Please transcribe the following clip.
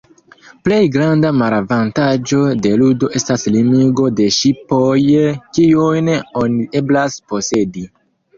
Plej granda malavantaĝo de ludo estas limigo de ŝipoj, kiujn oni eblas posedi.